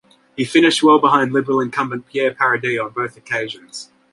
He finished well behind Liberal incumbent Pierre Paradis on both occasions.